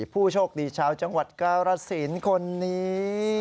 ผู้โชคดีชาวจังหวัดกรสินคนนี้